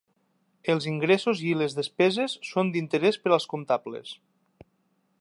Els ingressos i les despeses són d'interès per als comptables.